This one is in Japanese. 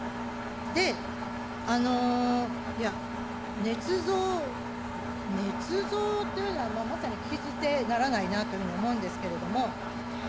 で、あの、いや、ねつ造、ねつ造というのはまさに聞き捨てならないなというふうに思うんですけれども。